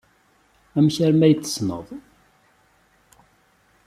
Amek armi ay tt-tessneḍ?